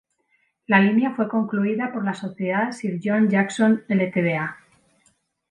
La línea fue concluida por la "Sociedad Sir John Jackson Ltda.